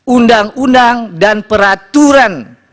undang undang dan peraturan